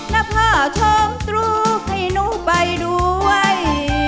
นะพ่อชอบตรูให้หนูไปด้วย